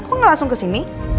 kok ngelasung kesini